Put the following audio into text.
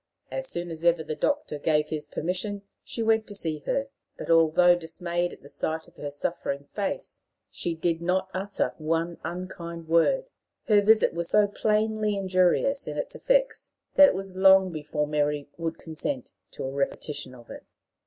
As soon as ever the doctor gave his permission, she went to see her; but, although, dismayed at sight of her suffering face, she did not utter one unkind word, her visit was so plainly injurious in its effects, that it was long before Mary would consent to a repetition of it.